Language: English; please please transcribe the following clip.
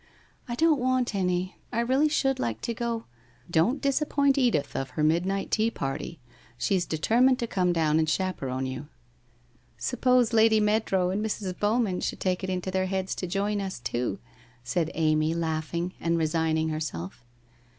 ' I don't want any. I really should like to go '* Don't disappoint Edith of her midnight teaparty. She is determined to come down and chaperon you.' ' Suppose Lady Meadrow and Mrs. Bowman should take it into their heads to join us, too ?' said Amy laugh ing, and resigning herself.